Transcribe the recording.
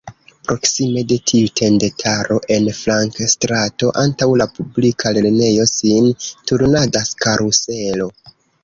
Proksime de tiu tendetaro, en flankstrato antaŭ la publika lernejo sin turnadas karuselo.